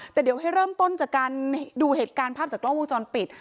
แต่เดี๋ยวให้เริ่มต้นจากการดูเหตุการณ์ภาพจากกล้องวงจรปิด